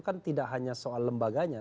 kan tidak hanya soal lembaganya